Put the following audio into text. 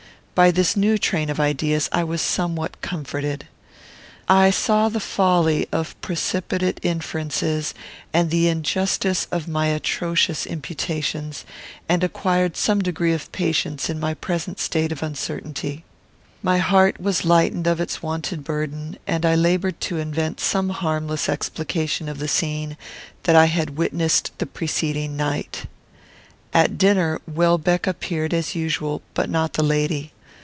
By this new train of ideas I was somewhat comforted. I saw the folly of precipitate inferences and the injustice of my atrocious imputations, and acquired some degree of patience in my present state of uncertainty. My heart was lightened of its wonted burden, and I laboured to invent some harmless explication of the scene that I had witnessed the preceding night. At dinner Welbeck appeared as usual, but not the lady.